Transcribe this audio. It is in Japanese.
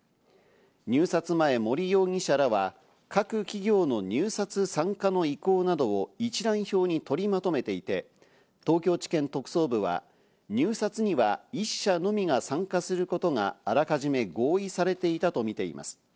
入札前、森容疑者らは各企業の入札参加の意向などを一覧表に取りまとめていて、東京地検特捜部は入札には１社のみが参加することがあらかじめ合意されていたとみています。